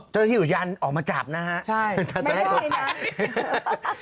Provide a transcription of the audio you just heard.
เจ้าที่อยู่ยานออกมาจับนะฮะตอนแรกตกใจไม่ได้นะ